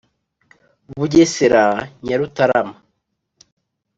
Bugesera Nyarutarama